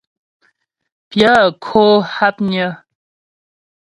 Pyə̂ kó hápnyə́.